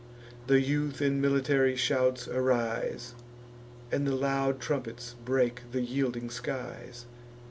The youth in military shouts arise, And the loud trumpets break the yielding skies.